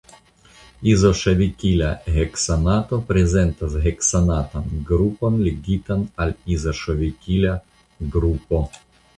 Izoŝavikila heksanato prezentas heksanatan grupon ligitan al izoŝavikila grupo.